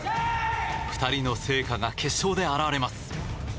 ２人の成果が決勝で現れます。